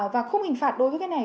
và không hình phạt đối với cái này